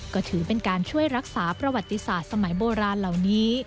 ก็ถือเป็นการช่วยรักษาประวัติศาสตร์สมัยโบราณเหล่านี้